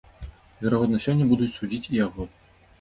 Верагодна, сёння будуць судзіць і яго.